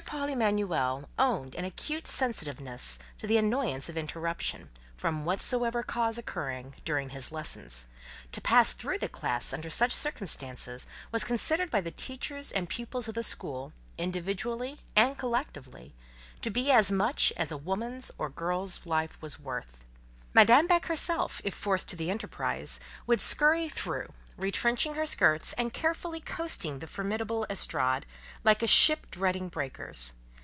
Paul Emanuel owned an acute sensitiveness to the annoyance of interruption, from whatsoever cause occurring, during his lessons: to pass through the classe under such circumstances was considered by the teachers and pupils of the school, individually and collectively, to be as much as a woman's or girl's life was worth. Madame Beck herself, if forced to the enterprise, would "skurry" through, retrenching her skirts, and carefully coasting the formidable estrade, like a ship dreading breakers.